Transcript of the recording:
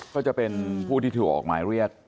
ก็จะเป็นผู้ที่ถูกออกหมายเรียก